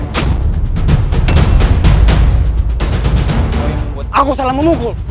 kau yang membuat aku salah memukul